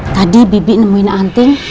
tadi bibi nemuin anting